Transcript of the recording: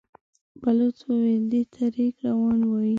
بلوڅ وويل: دې ته رېګ روان وايي.